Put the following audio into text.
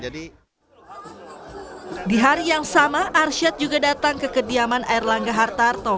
di hari yang sama arsyad juga datang ke kediaman air langga hartarto